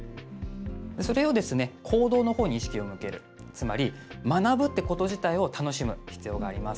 それを行動に意識を向けるつまり、学ぶということ自体を楽しむ必要があります。